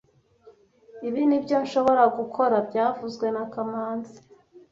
Ibi nibyo nshobora gukora byavuzwe na kamanzi